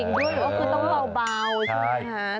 คือต้องเบาใช่ไหมคะ